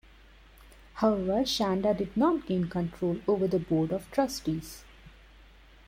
However, Shanda did not gain control over the board of trustees.